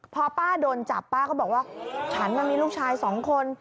พอป้าโดนจับป้าก็บอกว่าฉันมีลูกชายสองคน